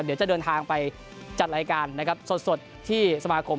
เดี๋ยวจะเดินทางไปจัดรายการนะครับสดที่สมาคม